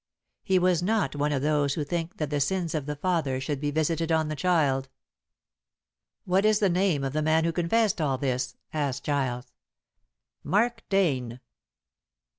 He was not one of those who think that the sins of the father should be visited on the child. "What is the name of the man who confessed all this?" asked Giles. "Mark Dane."